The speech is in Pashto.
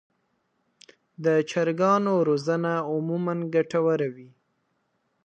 د چرګانو روزنه عموماً ګټه وره وي.